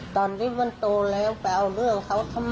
ตอนนี้มันโตแล้วไปเอาเรื่องเขาทำไม